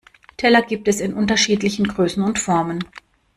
Teller gibt es in unterschiedlichen Größen und Formen.